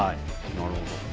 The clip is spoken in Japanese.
なるほど。